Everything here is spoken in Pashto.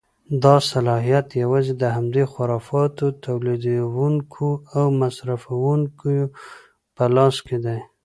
دا صلاحیت یوازې د همدې خرافاتو د تولیدوونکیو او مصرفوونکیو په لاس کې دی.